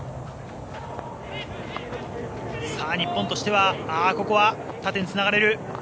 日本としてはここは縦につながれる。